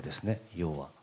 要は。